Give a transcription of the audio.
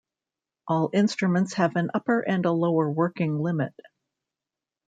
All instruments have an upper and a lower working limit.